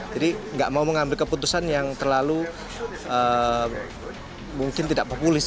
jadi tidak mau mengambil keputusan yang terlalu mungkin tidak populis